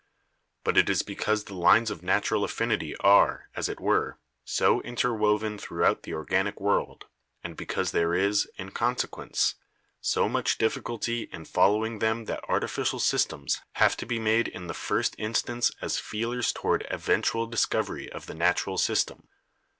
But it is because the lines of natural affinity are, as it were, so interwoven throughout the organic world, and because there is, in consequence, so much difficulty in following them that artificial systems have to be made in the first instance as feelers toward eventual discovery of the natural system.